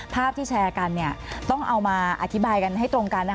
ภาพที่แชร์กันต้องเอามาอธิบายกันยังไง